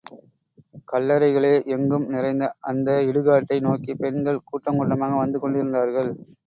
கல்லறைகளே எங்கும் நிறைந்த அந்த இடுகாட்டை நோக்கிப் பெண்கள் கூட்டங் கூட்டமாக வந்து கொண்டிருந்தார்கள்.